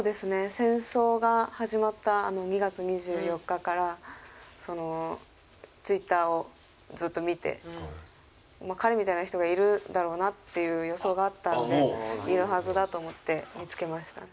戦争が始まった２月２４日からＴｗｉｔｔｅｒをずっと見て彼みたいな人がいるだろうなっていう予想があったのでいるはずだと思って見つけましたね。